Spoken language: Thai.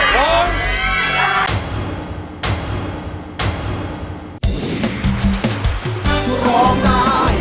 ร้องได้ร้องได้